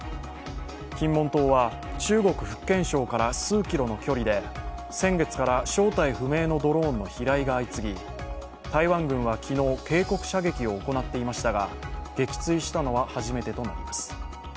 金門島は中国・福建省から数キロの距離で先月から正体不明のドローンの飛来が相次ぎ、台湾軍は昨日警告射撃を行っていましたが撃墜したのは初めてとなります。